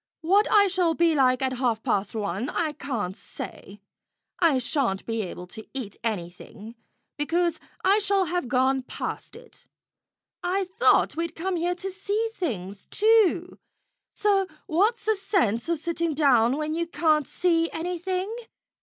What I shall be like at half past one I can't say. I shan't be able to eat anything, because I shall have gone past it. I thought we'd come here to see things, too, so what's the sense of sitting down where you can't see anything?